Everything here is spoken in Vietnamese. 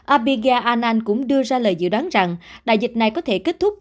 abhigya anand cũng đưa ra lời dự đoán rằng đại dịch này có thể kết thúc